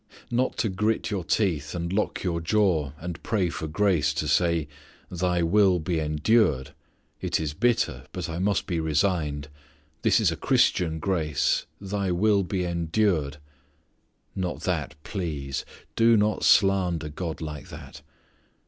Not to grit your teeth and lock your jaw and pray for grace to say, "Thy will be endured: it is bitter, but I must be resigned; that is a Christian grace; Thy will be endured." Not that, please. Do not slander God like that.